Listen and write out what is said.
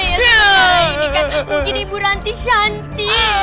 ini kan mungkin ibu ranti cantik